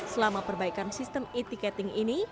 selama perbaikan sistem e ticket ini